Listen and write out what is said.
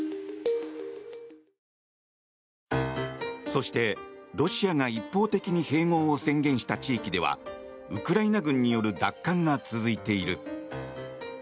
そして、ロシアが一方的に併合を宣言した地域ではウクライナ軍による奪還が続いている。